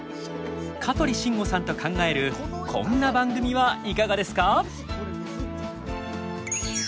香取慎吾さんと考えるこんな番組はいかがですか？